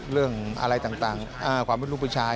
เรื่องอะไรต่างความเป็นลูกผู้ชาย